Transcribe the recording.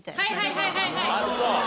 はいはいはいはい。